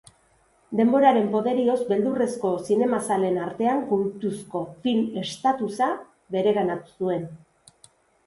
Denboraren poderioz beldurrezko zinemazaleen artean kultuzko film estatusa bereganatu zuen.